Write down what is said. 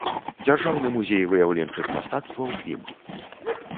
Дзяржаўны музей выяўленчых мастацтваў ім.